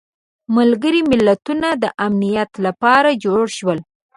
ملګري ملتونه د امنیت لپاره جوړ شول.